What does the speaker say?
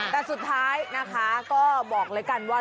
แต่สุดท้ายนะคะก็บอกเลยกันว่า